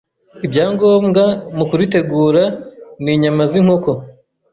Ibyangombwa mu kuritegura ni inyama z’inkoko